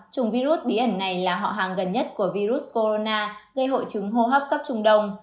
chủng virus bí ẩn này là họ hàng gần nhất của virus corona gây hội chứng hô hấp cấp trung đông